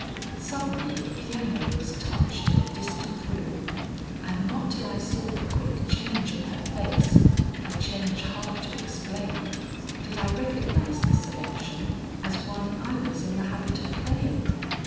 Suddenly the piano was touched in a distant room and not till I saw the quick change in her face, a change hard to explain, did I recognize the selection as one I was in the habit of playing.